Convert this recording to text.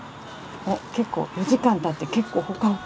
お結構４時間たって結構ほかほか。